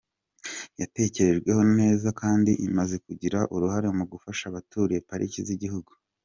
Yatekerejweho neza kandi imaze kugira uruhare mu gufasha abaturiye pariki z’igihugu.